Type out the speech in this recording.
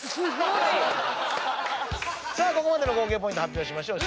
さあここまでの合計ポイント発表しましょう。